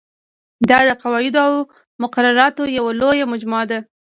دا د قواعدو او مقرراتو یوه لویه مجموعه ده.